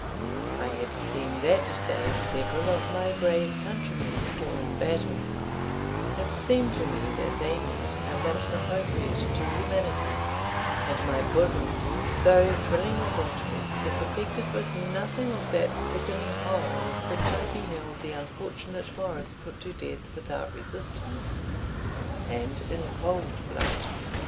I had seen that day several of my brave countrymen fall in battle: it seemed to me that they met a lot appropriate to humanity, and my bosom, though thrilling with interest, was affected with nothing of that sickening horror with which I beheld the unfortunate Morris put to death without resistance, and in cold blood.